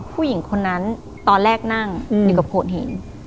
ผู้หญิงคนนั้นตอนแรกนั่งอยู่กับโขดหิน